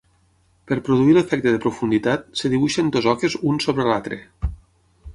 Per produir l'efecte de profunditat, es dibuixen dues oques un sobre l'altre.